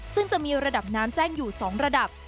ซึ่งจะมีระดับน้ำแจ้งอยู่๒ระดับ